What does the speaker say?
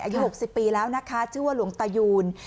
อายุ๖๐ปีแล้วนะคะชื่อว่าหลวงตายูน